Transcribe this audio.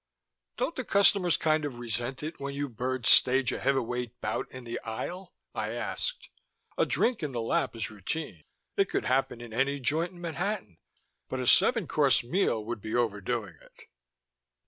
"Don't the customers kind of resent it when you birds stage a heavyweight bout in the aisle?" I asked. "A drink in the lap is routine. It could happen in any joint in Manhattan. But a seven course meal would be overdoing it."